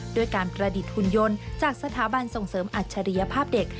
ด้วยการประดิษฐ์หุ่นยนต์จากสถาบันส่งเสริมอัจฉริยภาพเด็ก